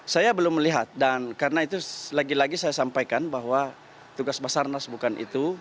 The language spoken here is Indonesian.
saya belum melihat dan karena itu lagi lagi saya sampaikan bahwa tugas basarnas bukan itu